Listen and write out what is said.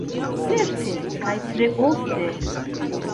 Certe, kaj tre ofte.